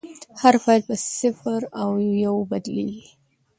هر فایل په صفر او یو بدلېږي.